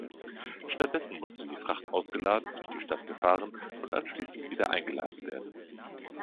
Stattdessen musste die Fracht ausgeladen, durch die Stadt gefahren und anschließend wieder eingeladen werden.